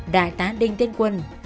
đại tá đinh tiên quân